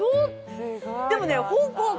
でもね。